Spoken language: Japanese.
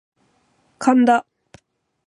神田